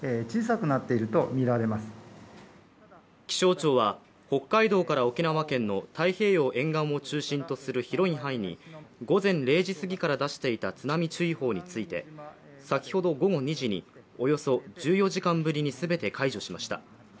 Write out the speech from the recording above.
気象庁は北海道から沖縄県の太平洋沿岸を中心とする広い範囲に午前０時すぎから出していた津波注意報について先ほど午後２時におよそ１４時間ぶりに全て解除しました。